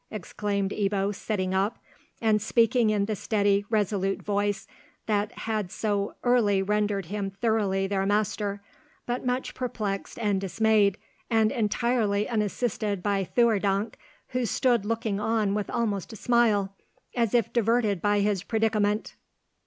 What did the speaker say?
exclaimed Ebbo, sitting up, and speaking in the steady resolute voice that had so early rendered him thoroughly their master, but much perplexed and dismayed, and entirely unassisted by Theurdank, who stood looking on with almost a smile, as if diverted by his predicament.